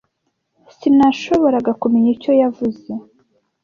Sinashoboraga kumenya icyo yavuze.